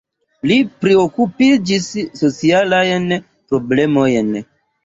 Li priokupiĝis socialajn problemojn.